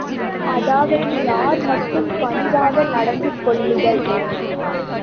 அதாவது யார் மட்டும் பணிவாக நடந்து கொள்ளுதல்.